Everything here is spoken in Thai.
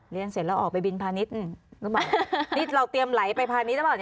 เรียนเสร็จแล้วออกไปบินพานิดนี่เราเตรียมไลฟ์ไปพานิดแล้วหรอเนี่ย